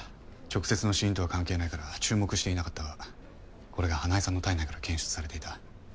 直接の死因とは関係ないから注目していなかったがこれが花恵さんの体内から検出されていた。